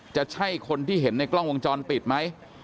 จะใช่คนที่เห็นในกล้องวงจรปิดไหม